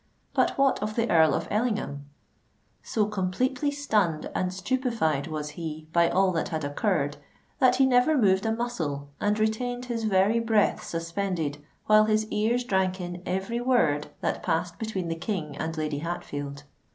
But what of the Earl of Ellingham? So completely stunned and stupified was he by all that had occurred, that he never moved a muscle and retained his very breath suspended while his ears drank in every word that passed between the King and Lady Hatfield.